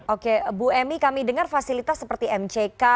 oke bu emy kami dengar fasilitas seperti mck